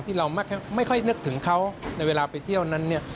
ที่เราไม่ค่อยนึกถึงเขาในเวลาไปเที่ยวนั้นเนี่ย